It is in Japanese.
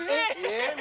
えっ？